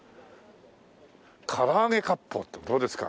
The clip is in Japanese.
「からあげ割烹」ってどうですか？